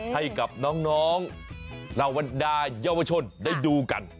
ให้กับน้องเหล่าบรรดาเยาวชนได้ดูกัน